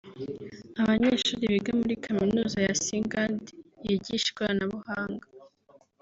Abanyeshuri biga muri Kaminuza ya Singhad yigisha ikoranabuhanga